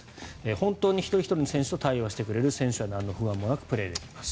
本当に一人ひとりの選手と対話してくれる選手は何の不安もなくプレーできます。